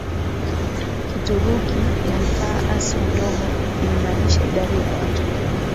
Kituruki yalikaa Asia Ndogo ikilinganisha idadi ya watu